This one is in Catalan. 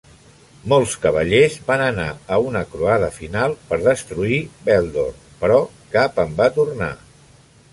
Molts cavallers van anar a una croada final per destruir Beldor, però cap en va tornar.